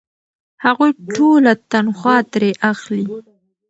هغوی ټوله تنخوا ترې اخلي.